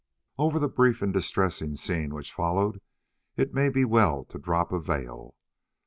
Over the brief and distressing scene which followed it may be well to drop a veil.